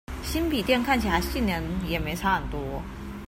新筆電看起來性能也沒差很多